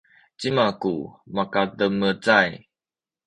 cima ku makademecay?